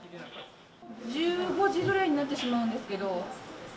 １５時ぐらいになってしまうんですけど。